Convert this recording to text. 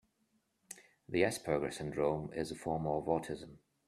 The Asperger syndrome is a form of autism.